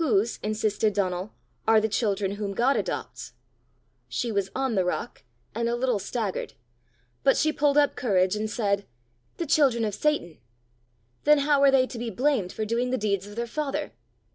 "Whose," insisted Donal, "are the children whom God adopts?" She was on the rock, and a little staggered. But she pulled up courage and said "The children of Satan." "Then how are they to be blamed for doing the deeds of their father?"